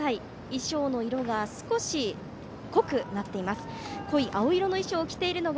衣装の色が少し濃くなっています。